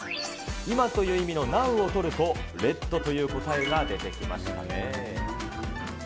今という意味のｎｏｗを取ると、ｒｅｄという答えが出てきましたね。